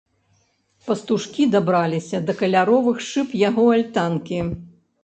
Пастушкі дабраліся да каляровых шыб яго альтанкі.